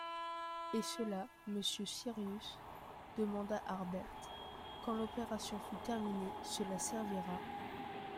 Et cela, monsieur Cyrus, demanda Harbert, quand l’opération fut terminée, cela servira..